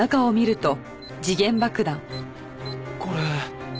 これ。